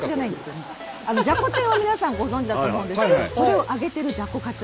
じゃこ天は皆さんご存じだと思うんですけどそれを揚げてるじゃこカツ。